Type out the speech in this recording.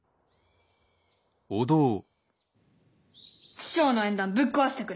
師匠の縁談ぶっ壊してくれ！